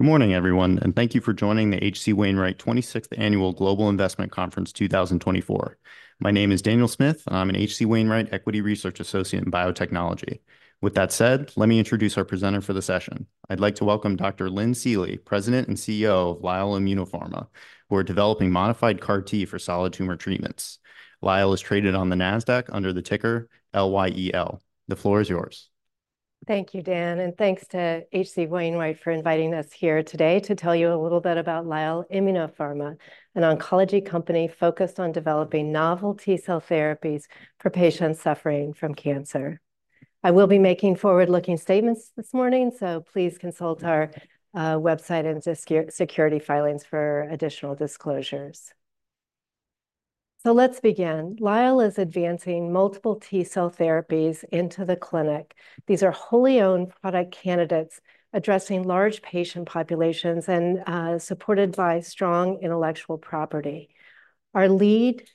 Good morning, everyone, and thank you for joining the H.C. Wainwright 26th Annual Global Investment Conference 2024. My name is Daniel Smith, and I'm an H.C. Wainwright Equity Research Associate in Biotechnology. With that said, let me introduce our presenter for the session. I'd like to welcome Dr. Lynn Seely, President and CEO of Lyell Immunopharma, who are developing modified CAR T for solid tumor treatments. Lyell is traded on the Nasdaq under the ticker LYEL. The floor is yours. Thank you, Dan, and thanks to H.C. Wainwright for inviting us here today to tell you a little bit about Lyell Immunopharma, an oncology company focused on developing novel T cell therapies for patients suffering from cancer. I will be making forward-looking statements this morning, so please consult our website and SEC filings for additional disclosures. Let's begin. Lyell is advancing multiple T cell therapies into the clinic. These are wholly owned product candidates addressing large patient populations and supported by strong intellectual property. Our lead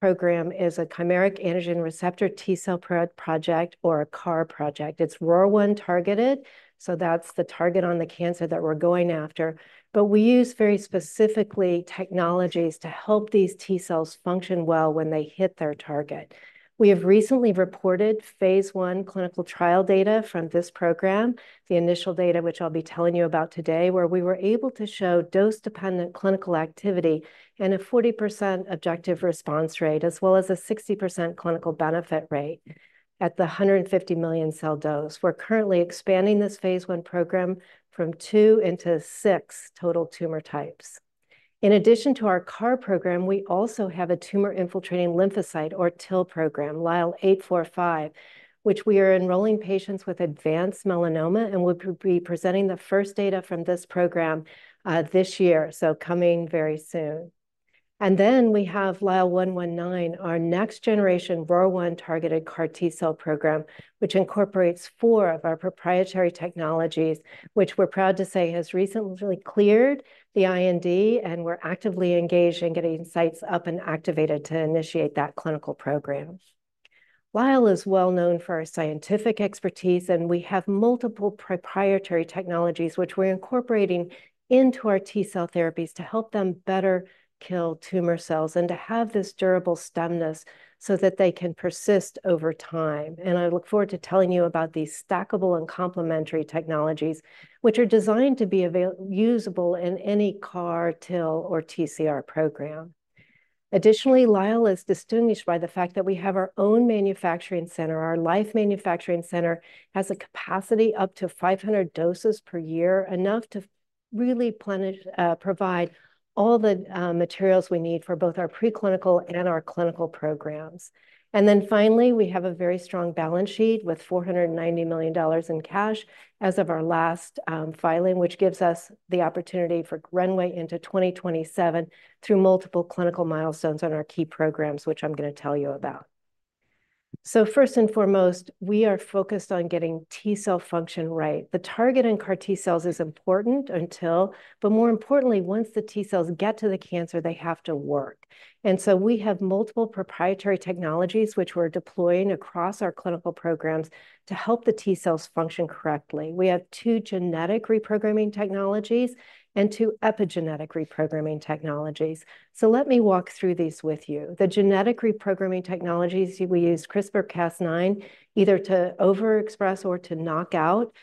program is a chimeric antigen receptor T cell project, or a CAR project. It's ROR1 targeted, so that's the target on the cancer that we're going after. But we use, very specifically, technologies to help these T cells function well when they hit their target. We have recently reported phase I clinical trial data from this program, the initial data which I'll be telling you about today, where we were able to show dose-dependent clinical activity and a 40% objective response rate, as well as a 60% clinical benefit rate at the 150 million cell dose. We're currently expanding this phase I program from two into six total tumor types. In addition to our CAR program, we also have a tumor-infiltrating lymphocyte, or TIL program, LYL845, which we are enrolling patients with advanced melanoma, and we'll be presenting the first data from this program this year, so coming very soon. And then we have LYL119, our next-generation ROR1-targeted CAR T cell program, which incorporates four of our proprietary technologies, which we're proud to say has recently cleared the IND, and we're actively engaged in getting sites up and activated to initiate that clinical program. Lyell is well known for our scientific expertise, and we have multiple proprietary technologies, which we're incorporating into our T cell therapies to help them better kill tumor cells and to have this durable stemness so that they can persist over time. And I look forward to telling you about these stackable and complementary technologies, which are designed to be usable in any CAR, TIL, or TCR program. Additionally, Lyell is distinguished by the fact that we have our own manufacturing center. Our Lyell manufacturing center has a capacity up to 500 doses per year, enough to really replenish, provide all the materials we need for both our preclinical and our clinical programs. And then finally, we have a very strong balance sheet with $490 million in cash as of our last filing, which gives us the opportunity for runway into 2027 through multiple clinical milestones on our key programs, which I'm going to tell you about. First and foremost, we are focused on getting T cell function right. The target in CAR T cells is important until. But more importantly, once the T cells get to the cancer, they have to work. And so we have multiple proprietary technologies, which we're deploying across our clinical programs, to help the T cells function correctly. We have two genetic reprogramming technologies and two epigenetic reprogramming technologies. So let me walk through these with you. The genetic reprogramming technologies, we use CRISPR-Cas9 either to overexpress or to knock out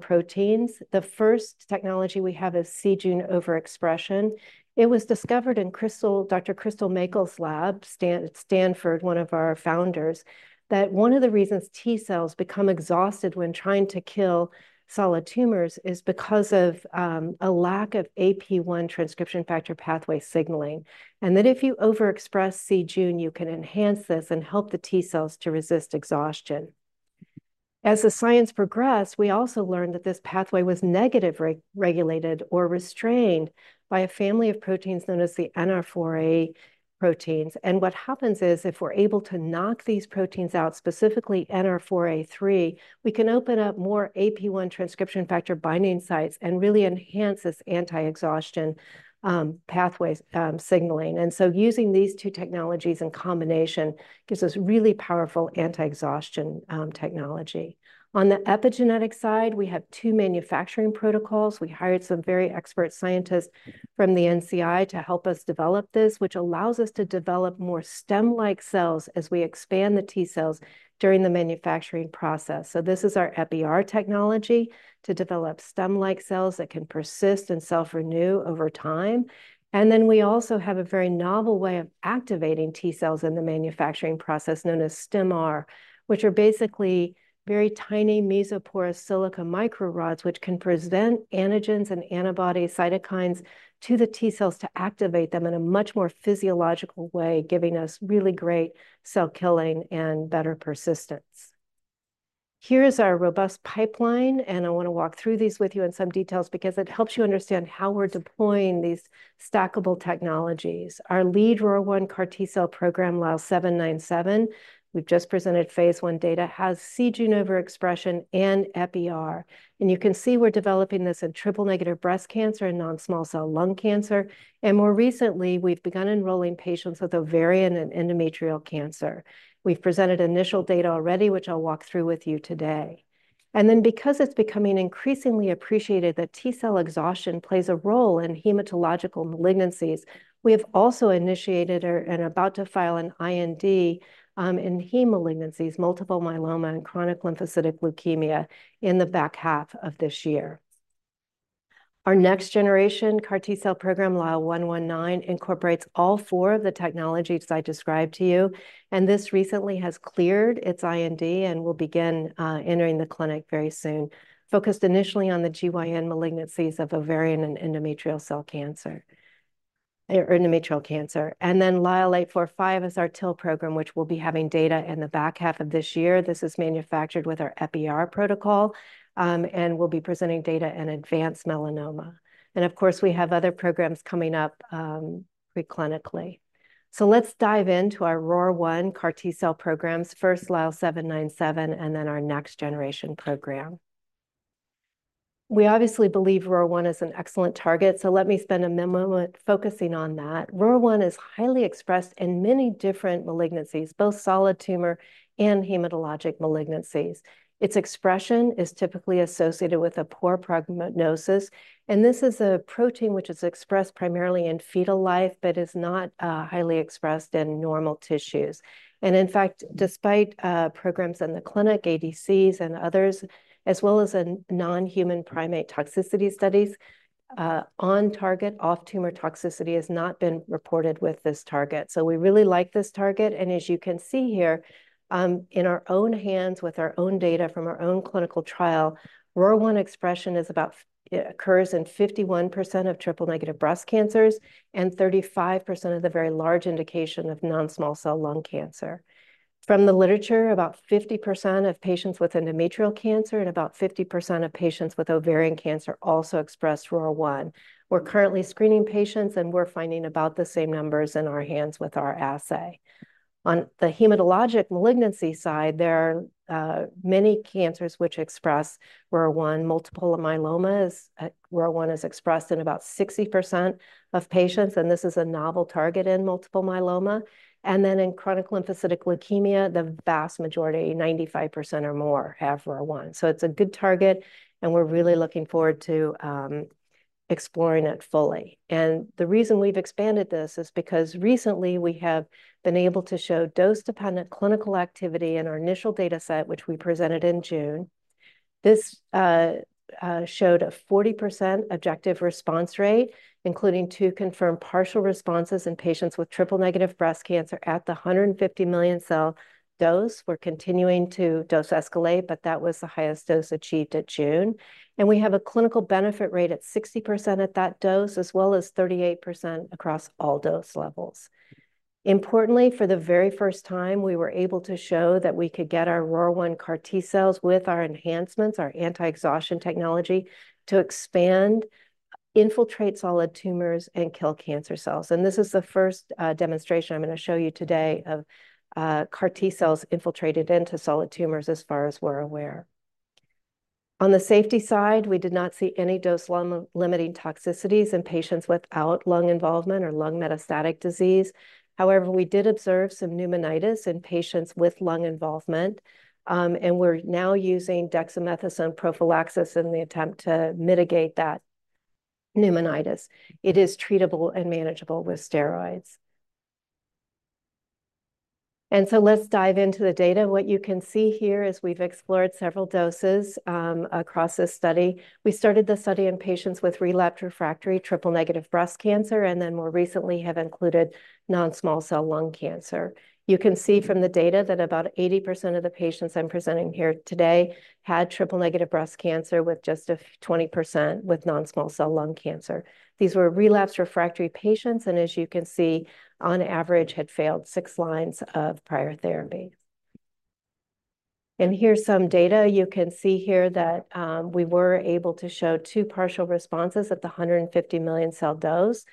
proteins. The first technology we have is c-Jun overexpression. It was discovered in Dr. Crystal Mackall's lab, Stanford, one of our founders, that one of the reasons T cells become exhausted when trying to kill solid tumors is because of a lack of AP-1 transcription factor pathway signaling, and that if you overexpress c-Jun, you can enhance this and help the T cells to resist exhaustion. As the science progressed, we also learned that this pathway was negatively regulated or restrained by a family of proteins known as the NR4A proteins. And what happens is, if we're able to knock these proteins out, specifically NR4A3, we can open up more AP-1 transcription factor binding sites and really enhance this anti-exhaustion pathways signaling. And so using these two technologies in combination gives us really powerful anti-exhaustion technology. On the epigenetic side, we have two manufacturing protocols. We hired some very expert scientists from the NCI to help us develop this, which allows us to develop more stem-like cells as we expand the T cells during the manufacturing process. So this is our Epi-R technology to develop stem-like cells that can persist and self-renew over time. Then we also have a very novel way of activating T cells in the manufacturing process, known as Stim-R, which are basically very tiny mesoporous silica microrods, which can present antigens and antibodies, cytokines to the T cells to activate them in a much more physiological way, giving us really great cell killing and better persistence. Here is our robust pipeline, and I want to walk through these with you in some details because it helps you understand how we're deploying these stackable technologies. Our lead ROR1 CAR T cell program, LYL797, we've just presented phase I data, has c-Jun overexpression and Epi-R. You can see we're developing this in triple-negative breast cancer and non-small cell lung cancer, and more recently, we've begun enrolling patients with ovarian and endometrial cancer. We've presented initial data already, which I'll walk through with you today. Then, because it's becoming increasingly appreciated that T cell exhaustion plays a role in hematological malignancies, we have also initiated, and about to file an IND in hematological malignancies, multiple myeloma and chronic lymphocytic leukemia, in the back half of this year. Our next generation CAR T cell program, LYL119, incorporates all four of the technologies I described to you, and this recently has cleared its IND and will begin entering the clinic very soon, focused initially on the GYN malignancies of ovarian and endometrial cell cancer, or endometrial cancer. Then LYL845 is our TIL program, which will be having data in the back half of this year. This is manufactured with our Epi-R protocol, and we'll be presenting data in advanced melanoma. Of course, we have other programs coming up, pre-clinically. So let's dive into our ROR1 CAR T cell programs, first LYL797, and then our next generation program. We obviously believe ROR1 is an excellent target, so let me spend a minute focusing on that. ROR1 is highly expressed in many different malignancies, both solid tumor and hematologic malignancies. Its expression is typically associated with a poor prognosis, and this is a protein which is expressed primarily in fetal life, but is not highly expressed in normal tissues. And in fact, despite programs in the clinic, ADCs and others, as well as in non-human primate toxicity studies, on-target, off-tumor toxicity has not been reported with this target. So we really like this target, and as you can see here, in our own hands, with our own data from our own clinical trial, ROR1 expression occurs in 51% of triple-negative breast cancers and 35% of the very large indication of non-small cell lung cancer. From the literature, about 50% of patients with endometrial cancer and about 50% of patients with ovarian cancer also express ROR1. We're currently screening patients, and we're finding about the same numbers in our hands with our assay. On the hematologic malignancy side, there are many cancers which express ROR1. Multiple myeloma, ROR1 is expressed in about 60% of patients, and this is a novel target in multiple myeloma. And then in chronic lymphocytic leukemia, the vast majority, 95% or more, have ROR1. So it's a good target, and we're really looking forward to exploring it fully. And the reason we've expanded this is because recently we have been able to show dose-dependent clinical activity in our initial data set, which we presented in June. This showed a 40% objective response rate, including two confirmed partial responses in patients with triple-negative breast cancer at the 150 million cell dose. We're continuing to dose escalate, but that was the highest dose achieved at June. And we have a clinical benefit rate at 60% at that dose, as well as 38% across all dose levels. Importantly, for the very first time, we were able to show that we could get our ROR1 CAR T cells with our enhancements, our anti-exhaustion technology, to expand, infiltrate solid tumors, and kill cancer cells. This is the first demonstration I'm gonna show you today of CAR T cells infiltrated into solid tumors, as far as we're aware. On the safety side, we did not see any dose-limiting toxicities in patients without lung involvement or lung metastatic disease. However, we did observe some pneumonitis in patients with lung involvement, and we're now using dexamethasone prophylaxis in the attempt to mitigate that pneumonitis. It is treatable and manageable with steroids. Let's dive into the data. What you can see here is we've explored several doses across this study. We started the study in patients with relapsed refractory triple-negative breast cancer, and then more recently, have included non-small cell lung cancer. You can see from the data that about 80% of the patients I'm presenting here today had triple-negative breast cancer, with just a 20% with non-small cell lung cancer. These were relapsed refractory patients, and as you can see, on average, had failed six lines of prior therapy. And here's some data. You can see here that, we were able to show two partial responses at the 150 million cell dose,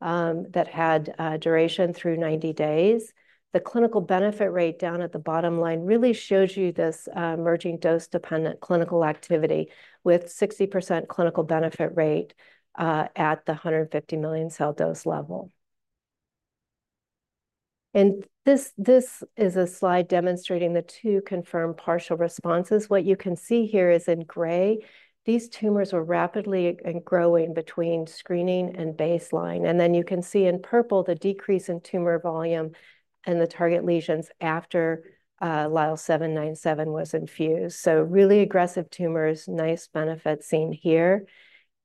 that had duration through 90 days. The clinical benefit rate down at the bottom line really shows you this, emerging dose-dependent clinical activity, with 60% clinical benefit rate, at the 150 million cell dose level. And this, this is a slide demonstrating the two confirmed partial responses. What you can see here is in gray, these tumors were rapidly growing between screening and baseline. And then you can see in purple the decrease in tumor volume and the target lesions after LYL797 was infused. So really aggressive tumors, nice benefit seen here.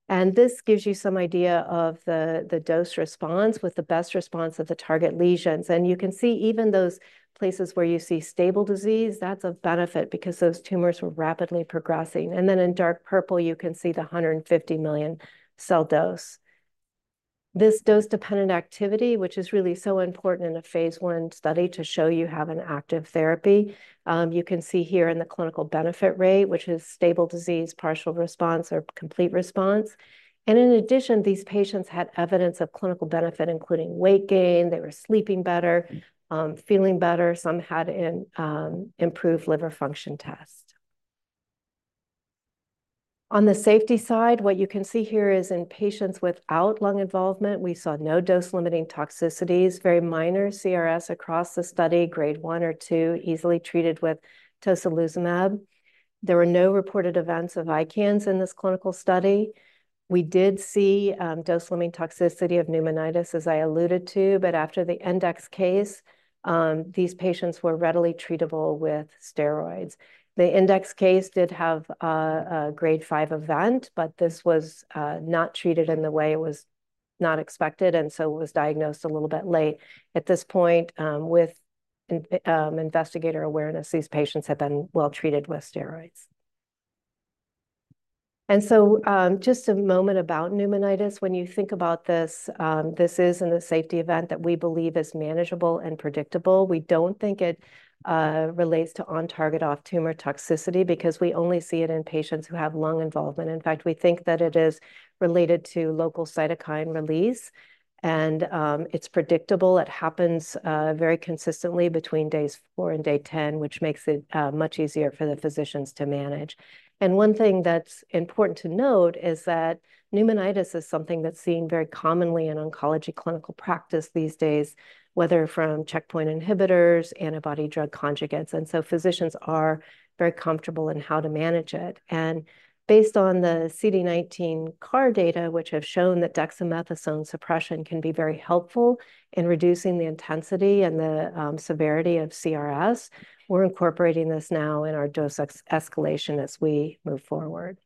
And this gives you some idea of the dose response, with the best response at the target lesions. And you can see even those places where you see stable disease, that's a benefit because those tumors were rapidly progressing. And then in dark purple, you can see the 150 million cell dose. This dose-dependent activity, which is really so important in a phase I study to show you have an active therapy, you can see here in the clinical benefit rate, which is stable disease, partial response, or complete response. And in addition, these patients had evidence of clinical benefit, including weight gain, they were sleeping better, feeling better. Some had improved liver function test. On the safety side, what you can see here is in patients without lung involvement, we saw no dose-limiting toxicities, very minor CRS across the study, Grade One or Two, easily treated with tocilizumab. There were no reported events of ICANS in this clinical study. We did see dose-limiting toxicity of pneumonitis, as I alluded to, but after the index case, these patients were readily treatable with steroids. The index case did have a Grade Five event, but this was not treated in the way it was expected, and so it was diagnosed a little bit late. At this point, with investigator awareness, these patients have been well treated with steroids, so just a moment about pneumonitis. When you think about this, this is in the safety event that we believe is manageable and predictable. We don't think it relates to on-target, off-tumor toxicity because we only see it in patients who have lung involvement. In fact, we think that it is related to local cytokine release, and it's predictable. It happens very consistently between days four and day 10, which makes it much easier for the physicians to manage. And one thing that's important to note is that pneumonitis is something that's seen very commonly in oncology clinical practice these days, whether from checkpoint inhibitors, antibody drug conjugates, and so, physicians are very comfortable in how to manage it. And based on the CD19 CAR data, which have shown that dexamethasone suppression can be very helpful in reducing the intensity and the severity of CRS, we're incorporating this now in our dose escalation as we move forward.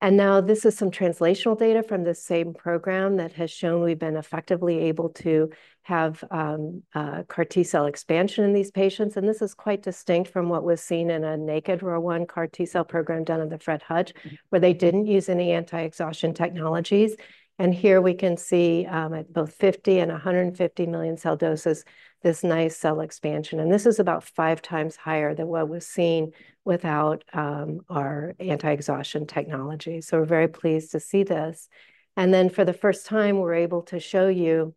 And now, this is some translational data from the same program that has shown we've been effectively able to have CAR T cell expansion in these patients, and this is quite distinct from what was seen in a naked ROR1 CAR T cell program done in the Fred Hutch, where they didn't use any anti-exhaustion technologies. And here we can see at both 50 and 150 million cell doses, this nice cell expansion, and this is about five times higher than what was seen without our anti-exhaustion technology. So we're very pleased to see this. And then, for the first time, we're able to show you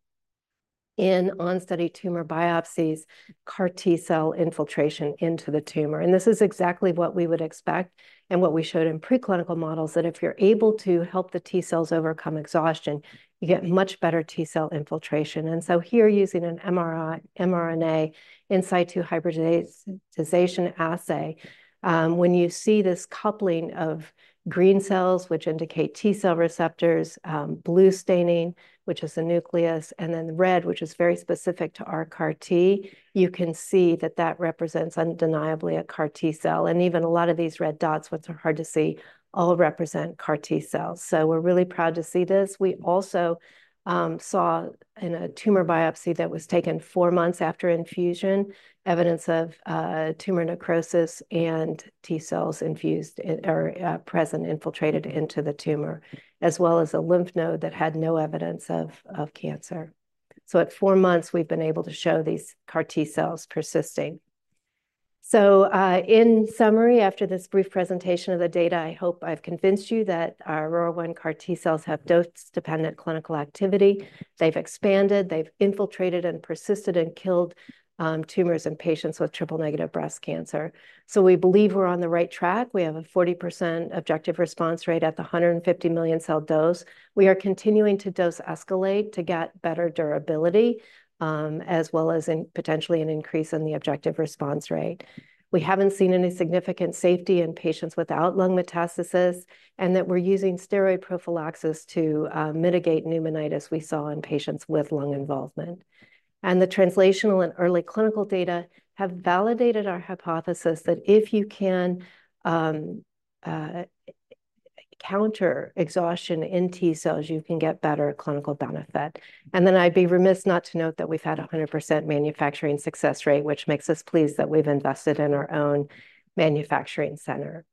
in on-study tumor biopsies, CAR T cell infiltration into the tumor. This is exactly what we would expect and what we showed in preclinical models, that if you're able to help the T cells overcome exhaustion, you get much better T cell infiltration. And so here, using an mRNA in situ hybridization assay, when you see this coupling of green cells, which indicate T cell receptors, blue staining, which is the nucleus, and then red, which is very specific to our CAR T, you can see that that represents undeniably a CAR T cell. And even a lot of these red dots, which are hard to see, all represent CAR T cells. So we're really proud to see this. We also saw in a tumor biopsy that was taken four months after infusion, evidence of tumor necrosis and T cells infused in... Present, infiltrated into the tumor, as well as a lymph node that had no evidence of cancer, so at four months, we've been able to show these CAR T cells persisting, so in summary, after this brief presentation of the data, I hope I've convinced you that our ROR1 CAR T cells have dose-dependent clinical activity. They've expanded, they've infiltrated and persisted and killed tumors in patients with triple-negative breast cancer, so we believe we're on the right track. We have a 40% objective response rate at the 150 million cell dose. We are continuing to dose escalate to get better durability, as well as in potentially an increase in the objective response rate. We haven't seen any significant safety in patients without lung metastasis, and that we're using steroid prophylaxis to mitigate pneumonitis we saw in patients with lung involvement. The translational and early clinical data have validated our hypothesis that if you can counter exhaustion in T cells, you can get better clinical benefit. I'd be remiss not to note that we've had a 100% manufacturing success rate, which makes us pleased that we've invested in our own manufacturing center.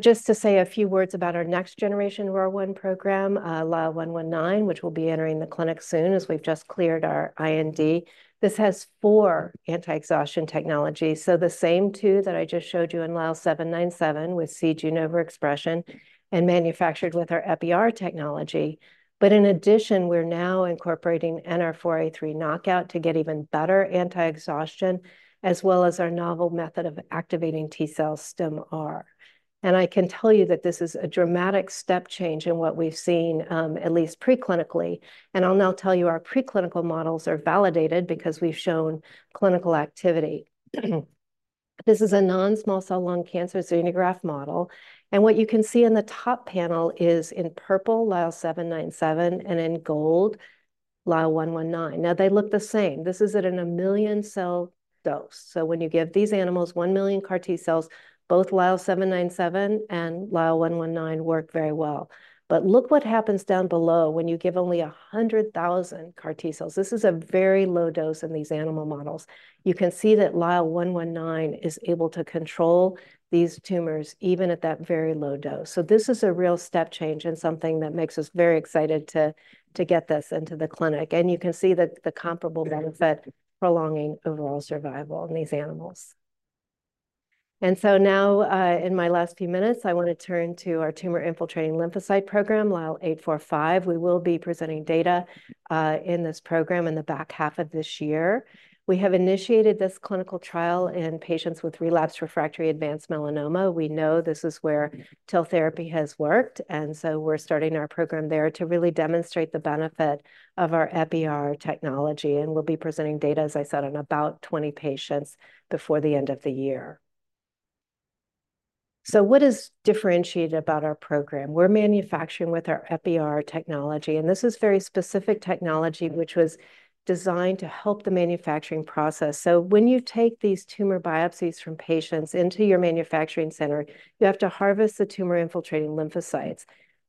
Just to say a few words about our next-generation ROR1 program, LYL119, which will be entering the clinic soon, as we've just cleared our IND. This has four anti-exhaustion technologies. The same two that I just showed you in LYL797, with c-Jun overexpression and manufactured with our Epi-R technology. But in addition, we're now incorporating NR4A3 knockout to get even better anti-exhaustion, as well as our novel method of activating T cell Stim-R. And I can tell you that this is a dramatic step change in what we've seen, at least preclinically. And I'll now tell you, our preclinical models are validated because we've shown clinical activity. This is a non-small cell lung cancer xenograft model, and what you can see in the top panel is, in purple, LYL797, and in gold, LYL119. Now they look the same. This is at a million-cell dose. So when you give these animals one million CAR T cells, both LYL797 and LYL119 work very well. But look what happens down below when you give only 100,000 CAR T cells. This is a very low dose in these animal models. You can see that LYL119 is able to control these tumors even at that very low dose. So this is a real step change and something that makes us very excited to, to get this into the clinic. And you can see that the comparable benefit, prolonging overall survival in these animals. And so now, in my last few minutes, I wanna turn to our tumor-infiltrating lymphocyte program, LYL845. We will be presenting data, in this program in the back half of this year. We have initiated this clinical trial in patients with relapsed, refractory advanced melanoma. We know this is where TIL therapy has worked, and so we're starting our program there to really demonstrate the benefit of our Epi-R technology. We'll be presenting data, as I said, on about twenty patients before the end of the year. What is differentiated about our program? We're manufacturing with our Epi-R technology, and this is very specific technology, which was designed to help the manufacturing process. When you take these tumor biopsies from patients into your manufacturing center, you have to harvest the tumor-infiltrating lymphocytes.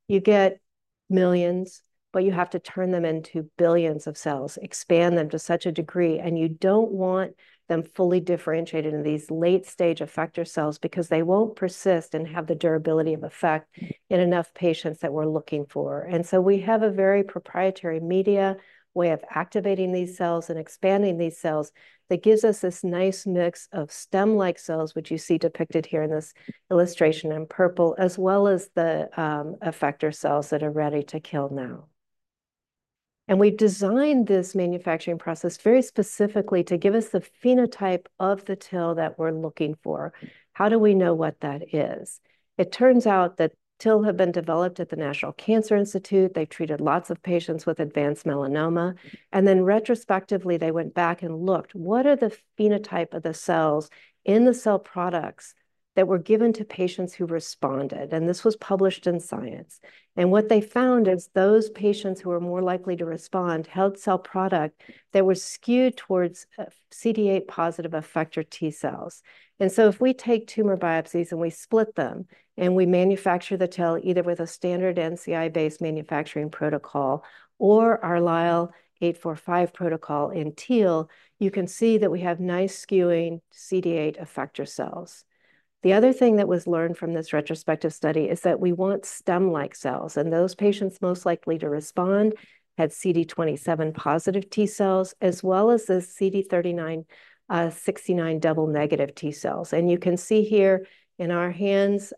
You get millions, but you have to turn them into billions of cells, expand them to such a degree, and you don't want them fully differentiated in these late-stage effector cells because they won't persist and have the durability of effect in enough patients that we're looking for. And so we have a very proprietary media way of activating these cells and expanding these cells that gives us this nice mix of stem-like cells, which you see depicted here in this illustration in purple, as well as the effector cells that are ready to kill now. And we've designed this manufacturing process very specifically to give us the phenotype of the TIL that we're looking for. How do we know what that is? It turns out that TIL have been developed at the National Cancer Institute. They've treated lots of patients with advanced melanoma, and then retrospectively, they went back and looked: What are the phenotype of the cells in the cell products that were given to patients who responded? And this was published in Science. What they found is those patients who are more likely to respond had cell product that were skewed towards CD8-positive effector T cells. If we take tumor biopsies and we split them, and we manufacture the TIL, either with a standard NCI-based manufacturing protocol or our LYL845 protocol at Lyell, you can see that we have nice skewing CD8 effector cells. The other thing that was learned from this retrospective study is that we want stem-like cells, and those patients most likely to respond had CD27-positive T cells, as well as the CD39-CD69 double negative T cells. You can see here in our hands,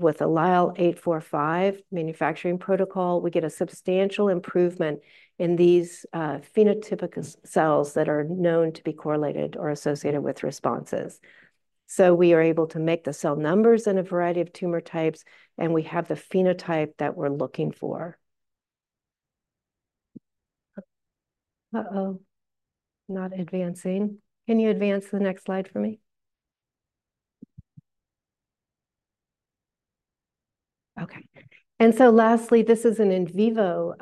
with the LYL845 manufacturing protocol, we get a substantial improvement in these phenotypic cells that are known to be correlated or associated with responses. So we are able to make the cell numbers in a variety of tumor types, and we have the phenotype that we're looking for. Uh-oh, not advancing. Can you advance the next slide for me? Okay, and so lastly, this is an in vivo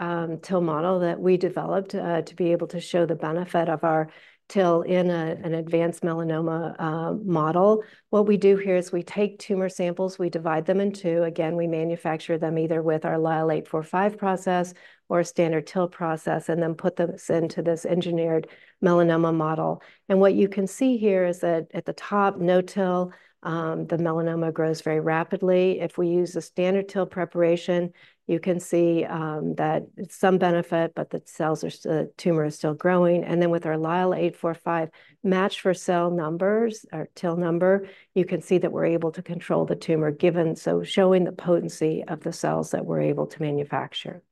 TIL model that we developed to be able to show the benefit of our TIL in an advanced melanoma model. What we do here is we take tumor samples, we divide them in two. Again, we manufacture them either with our LYL845 process or a standard TIL process, and then put them into this engineered melanoma model. And what you can see here is that at the top, no TIL, the melanoma grows very rapidly. If we use the standard TIL preparation, you can see that some benefit, but the cells are- the tumor is still growing. Then with our LYL845 matched for cell numbers or TIL number, you can see that we're able to control the tumor given, so showing the potency of the cells that we're able to manufacture.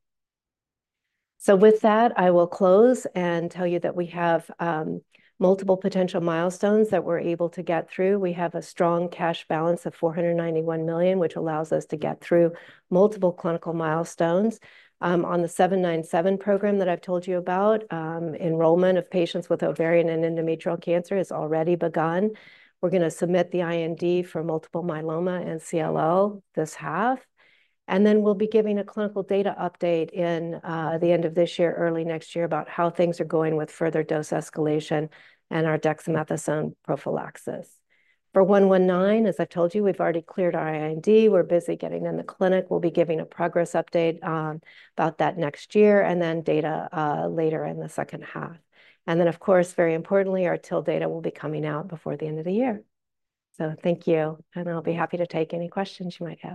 With that, I will close and tell you that we have multiple potential milestones that we're able to get through. We have a strong cash balance of $491 million, which allows us to get through multiple clinical milestones. On the LYL797 program that I've told you about, enrollment of patients with ovarian and endometrial cancer has already begun. We're gonna submit the IND for multiple myeloma and CLL this half, and then we'll be giving a clinical data update in the end of this year, early next year, about how things are going with further dose escalation and our dexamethasone prophylaxis. For LYL119, as I've told you, we've already cleared our IND. We're busy getting in the clinic. We'll be giving a progress update about that next year, and then data later in the second half. And then, of course, very importantly, our TIL data will be coming out before the end of the year. So thank you, and I'll be happy to take any questions you might have.